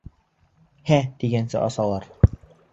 «Һә» тигәнсе асалар.